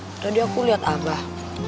tau nih tadi aku liat abah